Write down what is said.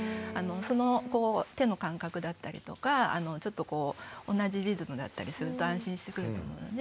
その手の感覚だったりとかちょっと同じリズムだったりすると安心してくると思うので。